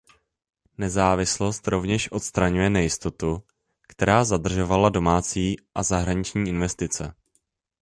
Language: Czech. Nezávislost rovněž odstraňuje nejistotu, která zadržovala domácí a zahraniční investice.